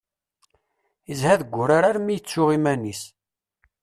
Idha deg wurar armi yettu iman-is.